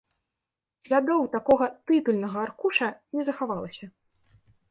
Слядоў такога тытульнага аркуша не захавалася.